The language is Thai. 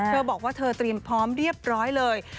เธอบอกว่าเธอเตรียมพร้อมเรียบร้อยเลย